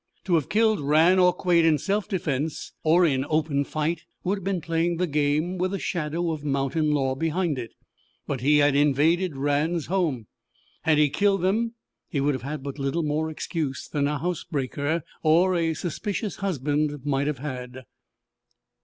To have killed Rann or Quade in self defence, or in open fight, would have been playing the game with a shadow of mountain law behind it. But he had invaded Rann's home. Had he killed them he would have had but little more excuse than a house breaker or a suspicious husband might have had.